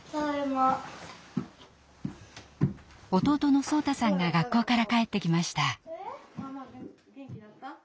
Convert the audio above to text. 弟の蒼太さんが学校から帰ってきました。